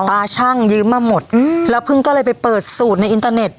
ตาชั่งยืมมาหมดอืมแล้วพึ่งก็เลยไปเปิดสูตรในอินเตอร์เน็ต